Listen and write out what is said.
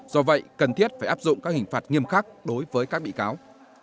do vậy cần thiết phải áp dụng các hình phạt nghiêm khắc đối với các bị cáo